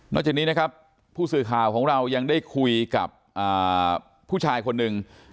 จากนี้นะครับผู้สื่อข่าวของเรายังได้คุยกับผู้ชายคนหนึ่ง